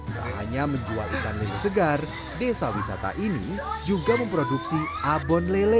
tak hanya menjual ikan lele segar desa wisata ini juga memproduksi abon lele